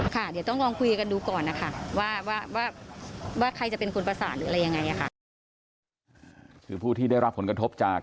คือผู้ที่ได้รับผลกระทบจาก